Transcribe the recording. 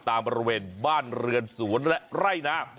ตามบริเวณบ้านเรือนศูนย์และไร่นะ